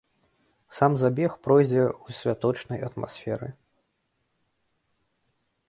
Сам забег пройдзе ў святочнай атмасферы.